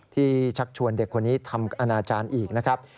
ชักชวนเด็กคนนี้ทำอนาจารย์อีกนะครับ